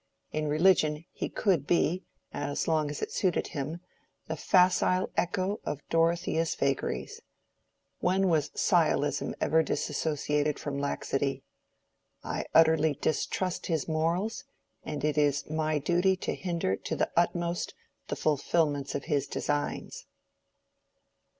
In religion he could be, as long as it suited him, the facile echo of Dorothea's vagaries. When was sciolism ever dissociated from laxity? I utterly distrust his morals, and it is my duty to hinder to the utmost the fulfilment of his designs."